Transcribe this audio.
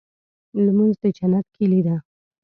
لمونځ د جنت کيلي ده.